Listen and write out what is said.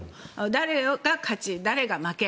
誰が勝ち、誰が負け。